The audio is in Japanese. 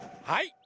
はい。